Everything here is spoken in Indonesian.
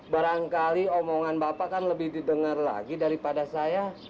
barangkali omongan bapak kan lebih didengar lagi daripada saya